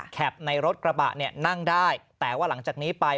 ในรถกระบะเนี่ยนั่งได้แต่ว่าหลังจากนี้ไป